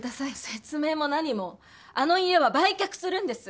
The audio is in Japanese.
説明も何もあの家は売却するんです。